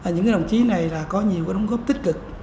những đồng chí này có nhiều đóng góp tích cực